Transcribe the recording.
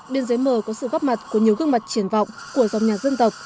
biên giới mờ có sự góp mặt của nhiều gương mặt triển vọng của dòng nhạc dân tộc